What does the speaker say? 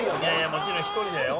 もちろん１人だよ。